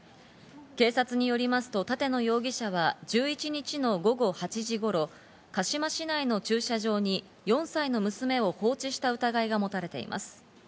警察によりますと立野容疑者は１１日の午後８時頃、鹿嶋市内の駐車場に４歳の娘を放置した疑いが持たれています。